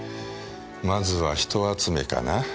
まずは人集めかな。